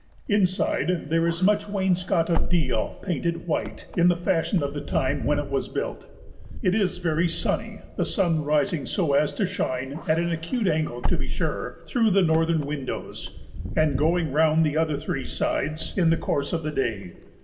Inside there is much wainscot (of deal) painted white in the fashion of the time when it was built. It is very sunny, the sun rising so as to shine (at an acute angle to be sure) through the northern windows, and going round the other three sides in the course of the day.